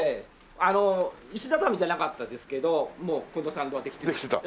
あの石畳じゃなかったですけどもうこの参道はできてました。